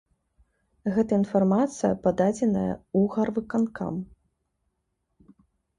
Гэта інфармацыя пададзеная ў гарвыканкам.